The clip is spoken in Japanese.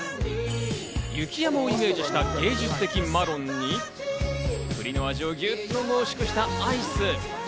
雪山をイメージした芸術的マロンに、栗の味をギュッと濃縮したアイス。